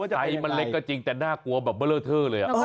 ใจมันเล็กก็จริงแต่น่ากลัวแบบเบอร์เลอร์เทอร์เลย